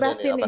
bebas ini ya